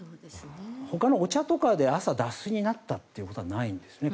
ほかのお茶とかで朝、脱水になったってことはないんですね。